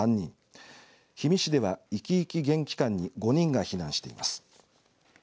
氷見市では、いきいき元気館に５人が避難しています。